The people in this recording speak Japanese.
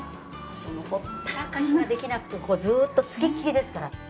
そのほったらかしができなくてここずっとつきっきりですから。